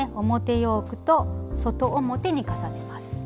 ヨークと外表に重ねます。